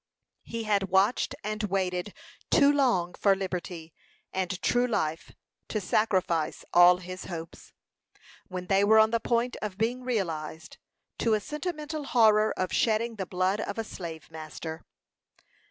He had watched and waited too long for liberty and true life to sacrifice all his hopes, when they were on the point of being realized, to a sentimental horror of shedding the blood of a slave master.